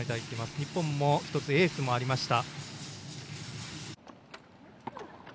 日本、１つエースもありました。